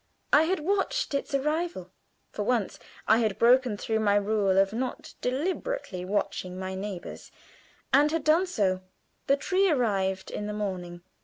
I had watched its arrival; for once I had broken through my rule of not deliberately watching my neighbors, and had done so. The tree arrived in the morning.